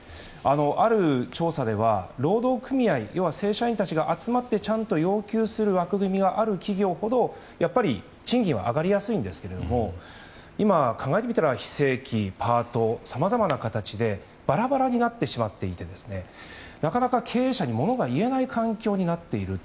ある調査では労働組合正社員たちが集まってちゃんと要求する枠組みがある企業ほどやっぱり賃金は上がりやすいんですが今、考えてみたら非正規、パートさまざまな形でばらばらになってしまっていてなかなか経営者にものが言えない環境になっている。